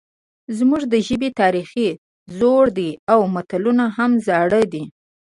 زموږ د ژبې تاریخ زوړ دی او متلونه هم زاړه دي